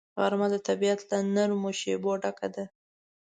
غرمه د طبیعت له نرمو شیبو ډکه ده